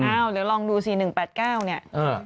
อ้าวหรือลองดูซิ๑๘๙เนี่ย